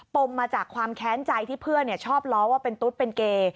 มมาจากความแค้นใจที่เพื่อนชอบล้อว่าเป็นตุ๊ดเป็นเกย์